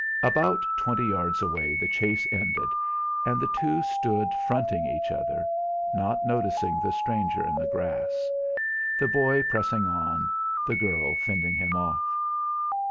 About twenty yards away the chase ended, and the two stood fronting each other, not noticing the stranger in the grass the boy pressing on, the girl fending him off.